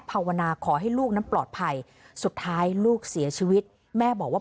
ภาวนาขอให้ลูกนั้นปลอดภัยสุดท้ายลูกเสียชีวิตแม่บอกว่า